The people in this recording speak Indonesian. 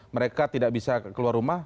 mereka tidak bisa keluar rumah